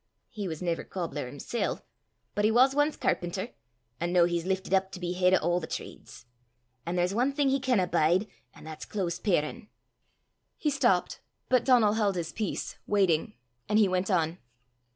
"He was never cobbler himsel', but he was ance carpenter; an' noo he's liftit up to be heid o' a' the trades. An' there's ae thing he canna bide, an' that's close parin'." He stopped. But Donal held his peace, waiting; and he went on.